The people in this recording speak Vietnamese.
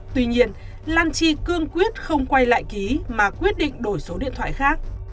tuy nhiên lan chi cương quyết không quay lại ký mà quyết định đổi số điện thoại khác